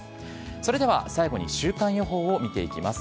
それでは最後に週間予報を見ていきます。